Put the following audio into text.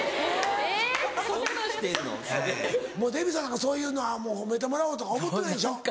デヴィさんなんかそういうのは褒めてもらおうとか思ってないでしょ？